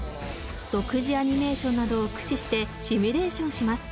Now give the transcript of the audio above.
独自アニメーションなどを駆使してシミュレーションします。